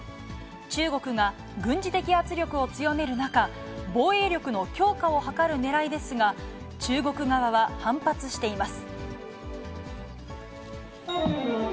中国が軍事的圧力を強める中、防衛力の強化を図るねらいですが、中国側は反発しています。